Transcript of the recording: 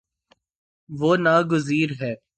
وہ نا گزیر ہے